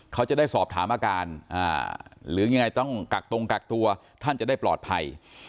เขาจะได้สอบถามอาการหรือยังไงต้องกักตรงกักตัวท่านจะได้ปลอดภัย